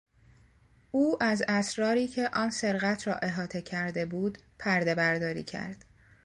او از اسراری که آن سرقت را احاطه کرده بود پردهبرداری کرد.